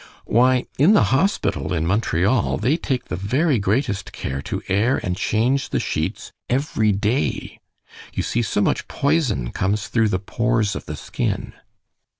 Why, in the hospital in Montreal they take the very greatest care to air and change the sheets every day. You see so much poison comes through the pores of the skin."